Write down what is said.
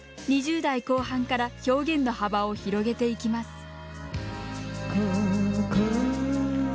２０代後半から表現の幅を広げていきます。